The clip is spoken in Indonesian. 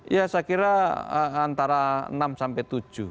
ya saya kira antara enam sampai tujuh